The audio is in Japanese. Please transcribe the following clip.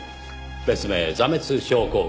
別名挫滅症候群。